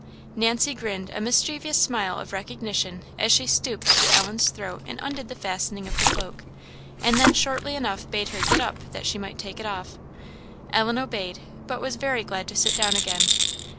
Nancy grinned a mischievous smile of recognition as she stooped to Ellen's throat and undid the fastening of the cloak, and then shortly enough bade her "get up, that she might take it off!" Ellen obeyed, but was very glad to sit down again.